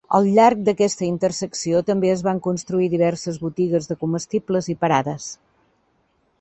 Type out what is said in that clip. Al llarg d'aquesta intersecció també es van construir diverses botigues de comestibles i parades.